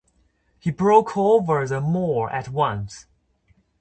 He broke over the moor at once.